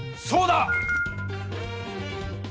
そうだ！